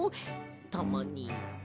たまに。